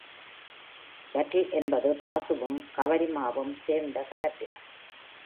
Yattle என்பது பசுவும் கவரிமாவும் சேர்ந்த கலப்பினம்.